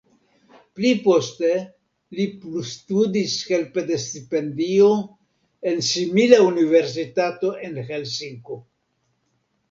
Pli poste li plustudis helpe de stipendio en simila universitato en Helsinko.